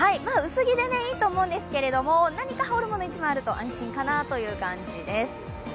薄着でいいと思うんですけど何か羽織るものが一枚あると安心かなという感じです。